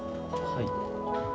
はい。